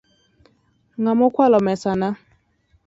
Ng'a mokwalo mesana?